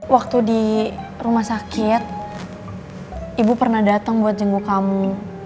waktu di rumah sakit ibu pernah datang buat jengu kamu